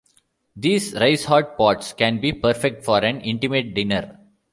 These rice hot pots can be perfect for an intimate dinner.